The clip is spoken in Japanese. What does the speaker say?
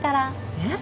えっ？